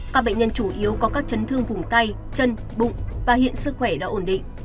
các bệnh nhân chủ yếu có các chấn thương vùng tay chân bụng và hiện sức khỏe đã ổn định